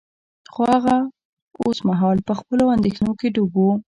خو هغه اوس مهال په خپلو اندیښنو کې ډوب و